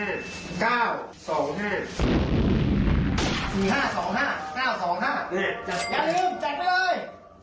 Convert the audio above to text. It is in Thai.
อย่าลืมแจกไปเลย